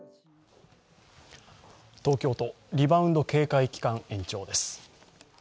東京都、リバウンド警戒期間延長です。